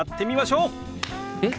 えっ？